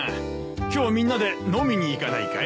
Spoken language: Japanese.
今日みんなで飲みに行かないかい？